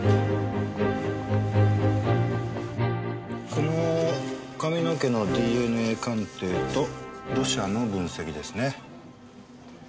この髪の毛のＤＮＡ鑑定と土砂の分析ですね。